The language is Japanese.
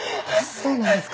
そうなんですか？